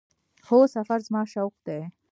هو، سفر زما شوق دی